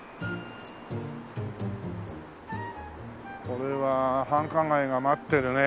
これは繁華街が待ってるね。